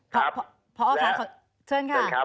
เชิญครับ